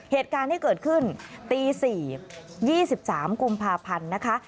เหตุการณ์ที่เกิดขึ้นตี๔๒๓กุมภาพันธ์นะคะ